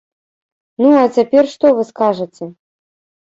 Ну, а цяпер што вы скажаце?